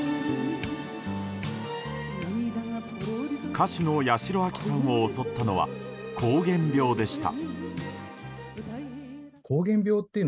歌手の八代亜紀さんを襲ったのは膠原病でした。